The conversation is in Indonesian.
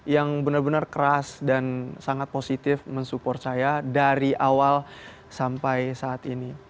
yang benar benar keras dan sangat positif mensupport saya dari awal sampai saat ini